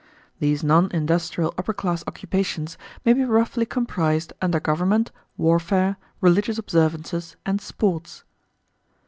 These non industrial upper class occupations may be roughly comprised under government, warfare, religious observances, and sports.